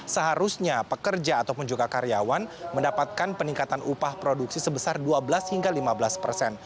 seharusnya pekerja ataupun juga karyawan mendapatkan peningkatan upah produksi sebesar dua belas hingga lima belas persen